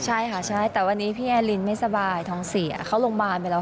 ใช่ค่ะใช่แต่วันนี้พี่แอลินไม่สบายท้องเสียเข้าโรงพยาบาลไปแล้ว